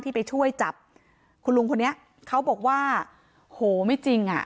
ไปช่วยจับคุณลุงคนนี้เขาบอกว่าโหไม่จริงอ่ะ